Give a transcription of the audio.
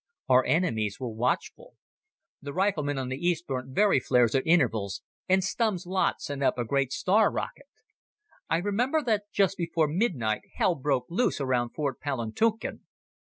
Our enemies were watchful. The riflemen on the east burnt Very flares at intervals, and Stumm's lot sent up a great star rocket. I remember that just before midnight hell broke loose round Fort Palantuken.